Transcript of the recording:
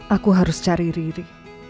aku harus cari riri